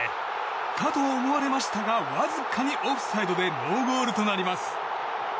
かと思われましたがわずかにオフサイドでノーゴールとなります。